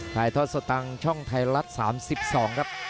ถ่ายทอดสตังค์ช่องไทยรัฐ๓๒ครับ